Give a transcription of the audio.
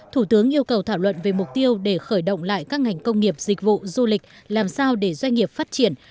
thủ tướng yêu cầu thảo luận về mục tiêu để khởi động lại các ngành công nghiệp dịch vụ du lịch làm sao để doanh nghiệp phát triển